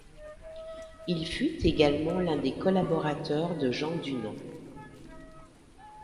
Il fut également l'un des collaborateurs de Jean Dunand.